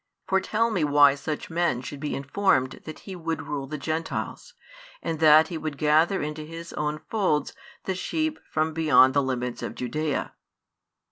For tell me why such men should be informed that He would rule the Gentiles, and that He would gather into His own folds the sheep from beyond the limits of Judaea?